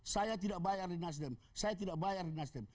saya tidak bayar di nasdem saya tidak bayar di nasdem